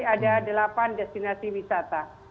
ada delapan destinasi wisata